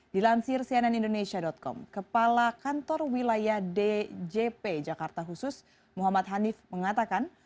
dilansir cnn indonesia com kepala kantor wilayah djp jakarta khusus muhammad hanif mengatakan